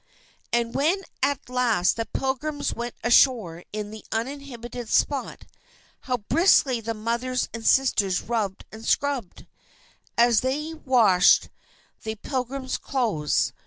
And when at last the Pilgrims went ashore in that uninhabited spot, how briskly the mothers and sisters rubbed and scrubbed, as they washed the Pilgrims' clothes.